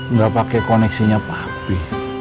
nggak pake koneksinya papi